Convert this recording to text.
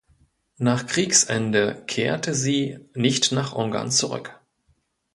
Nach Kriegsende kehrte sie nicht nach Ungarn zurück.